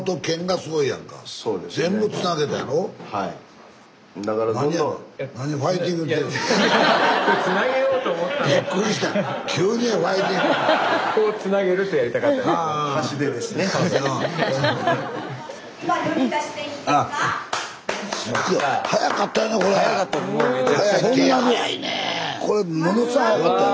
スタジオこれものすごい早かったよ